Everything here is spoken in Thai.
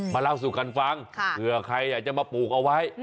เล่าสู่กันฟังเผื่อใครอยากจะมาปลูกเอาไว้